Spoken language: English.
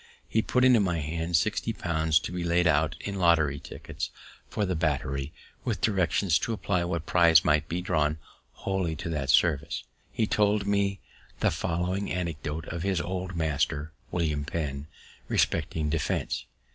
He put into my hands sixty pounds to be laid out in lottery tickets for the battery, with directions to apply what prizes might be drawn wholly to that service. He told me the following anecdote of his old master, William Penn, respecting defense.